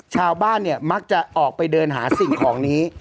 ชาวบ้านเนี่ยมักจะออกไปเดินหาสิ่งของนี้